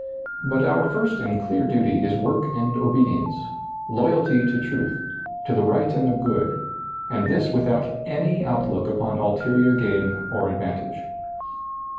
But our first and clear duty is work and obedience, loyalty to truth, to the right and the good, and this without any outlook upon ulterior gain or advantage.